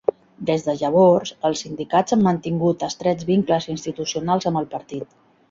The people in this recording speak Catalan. Des de llavors, els sindicats han mantingut estrets vincles institucionals amb el Partit.